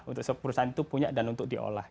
untuk perusahaan itu punya dan untuk diolah